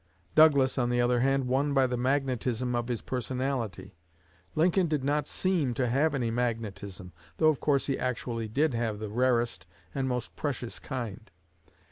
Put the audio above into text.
Douglas, on the other hand, won by the magnetism of his personality. Lincoln did not seem to have any magnetism, though of course he actually did have the rarest and most precious kind.